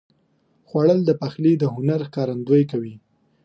خوړل د پخلي د هنر ښکارندویي کوي